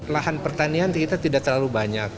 lahan pertanian kita tidak terlalu banyak